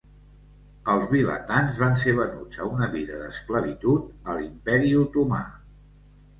Els vilatans van ser venuts a una vida d'esclavitud a l'Imperi Otomà.